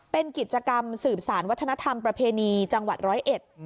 เป็นกิจกรรมสืบสารวัฒนธรรมประเพณีจังหวัดร้อยเอ็ด